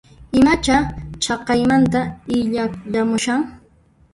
Imacha chaqaymanta illayamushan?